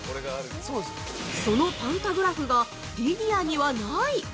そのパンタグラフがリニアにはない。